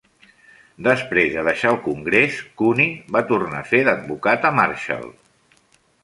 Després de deixar el Congrés, Cooney va tornar a fer d'advocat a Marshall.